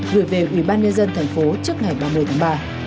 gửi về ủy ban nhân dân tp trước ngày ba mươi tháng ba